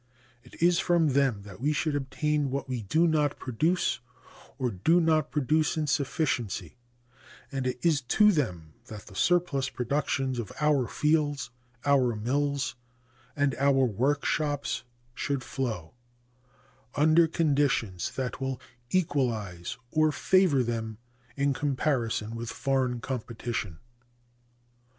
It is from them that we should obtain what we do not produce or do not produce in sufficiency, and it is to them that the surplus productions of our fields, our mills, and our workshops should flow, under conditions that will equalize or favor them in comparison with foreign competition.